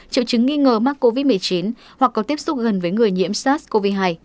triệu chứng nghi ngờ mắc covid một mươi chín hoặc có tiếp xúc gần với người nhiễm sars cov hai